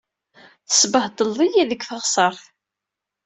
Tesbehdleḍ-iyi deg teɣsert.